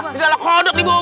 segala kondok di bumi awang